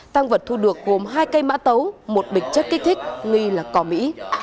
tăng vật thu được gồm hai cây mã tấu một bịch chất kích thích nghi là cỏ mỹ